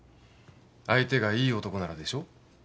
相手がいい男ならでしょ？